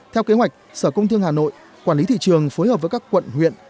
theo kế hoạch sở công thương hà nội quản lý thị trường phối hợp với các quận huyện